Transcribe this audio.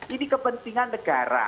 ini kepentingan negara